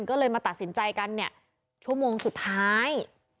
ก็เลยมาตัดสินใจกันเนี่ยชั่วโมงสุดท้าย